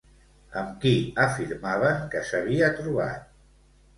Amb qui afirmaven que s'havia trobat?